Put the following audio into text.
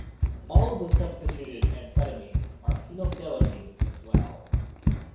All of the substituted amphetamines are phenethylamines as well.